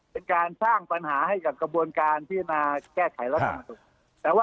เป็นการสร้างปัญหาให้กับกระบวนการที่จะมาแก้ไขแล้วอาจารย์